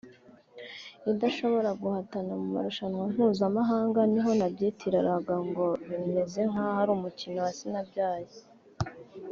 idashobora guhatana mu marushanwa mpuzamahanga […] niho nabyitiriraga ngo bimeze nk’aho ari umukino wa sinabyaye